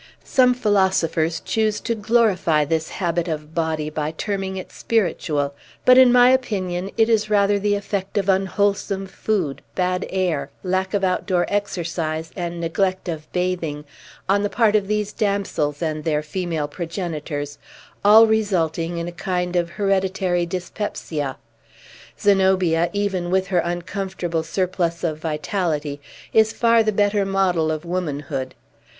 Some philosophers choose to glorify this habit of body by terming it spiritual; but, in my opinion, it is rather the effect of unwholesome food, bad air, lack of outdoor exercise, and neglect of bathing, on the part of these damsels and their female progenitors, all resulting in a kind of hereditary dyspepsia. Zenobia, even with her uncomfortable surplus of vitality, is far the better model of womanhood.